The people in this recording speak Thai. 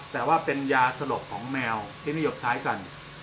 แต่ว่าเป็นยาสลบของแมวที่นิยมใช้กัน